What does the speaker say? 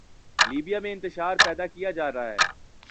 Libya میں انتشار پیدا کیا جاتا ہے۔